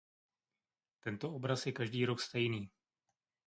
Tento obraz je každý rok stejný.